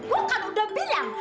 gue kan udah bilang